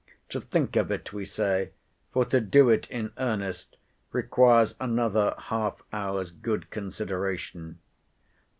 To think of it, we say; for to do it in earnest, requires another half hour's good consideration.